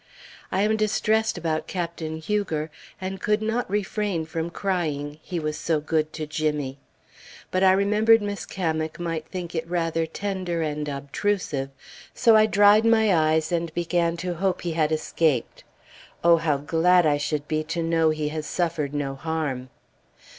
I am distressed about Captain Huger, and could not refrain from crying, he was so good to Jimmy. But I remembered Miss Cammack might think it rather tender and obtrusive, so I dried my eyes and began to hope he had escaped. Oh! how glad I should be to know he has suffered no harm.